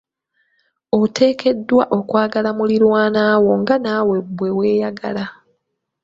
Oteekeddwa okwagala muliraanwa wo nga naawe bwe weeyagala.